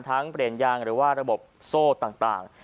เปลี่ยนยางหรือว่าระบบโซ่ต่าง